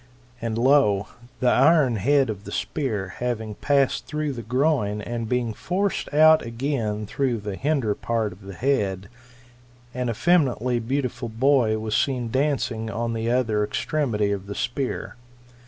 And lo ! the iron head of the spear having passed through the groin, and bein«; forced out again through the hinder part of the head, an effeminately beautiful boy was seen dancing on the other extremity of the spear.